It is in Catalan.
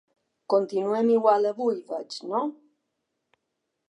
Continuem igual avui veig no?